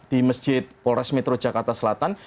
di masjid polres metro jakarta selatan